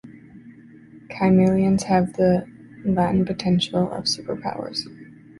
Kymellians have the latent potential of superpowers.